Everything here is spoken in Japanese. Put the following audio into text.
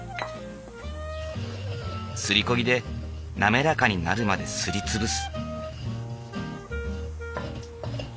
すりこ木で滑らかになるまですり潰す。